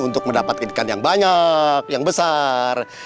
untuk mendapatkan ikan yang banyak yang besar